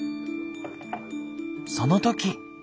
その時。